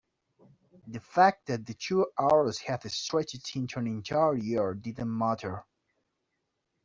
the fact that the two hours had stretched into an entire year didn't matter.